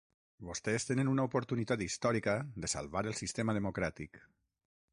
Vostès tenen una oportunitat històrica de salvar el sistema democràtic.